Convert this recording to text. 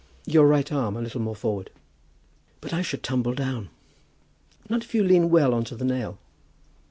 Your right arm a little more forward." "But I should tumble down." "Not if you lean well on to the nail."